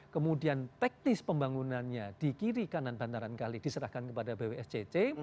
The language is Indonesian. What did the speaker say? kemudian teknis pembangunannya di kiri kanan bantaran kali diserahkan kepada bwscc